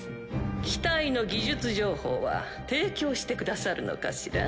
機体の技術情報は提供してくださるのかしら？